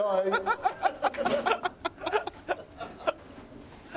ハハハハ！